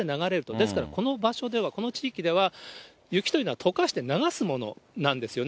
ですからこの場所では、この地域では、雪というのは、とかして流すものなんですよね。